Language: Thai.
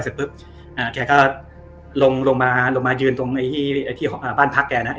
เสร็จปุ๊บแกก็ลงลงมาลงมายืนตรงไอ้ที่ของบ้านพักแกนะ